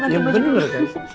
ya bener capek